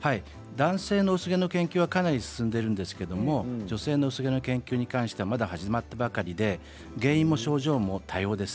男性の薄毛の研究はかなり進んでいるんですけれども女性の薄毛の研究に関してはまだ始まったばかりで原因も症状も多様です。